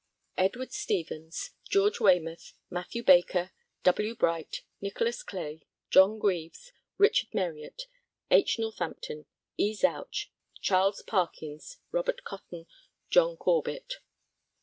EDWARD STEVENES. GEORGE WAYMOUTH. MATHEW BAKER. W. BRIGHT. NYCHOLAS CLAY. JOHN GREAVES. RICHARD MERYETT. H. NORTHAMPTON. E. ZOUCH. CH. PARKINS. RO. COTTON. JOHN CORBETT.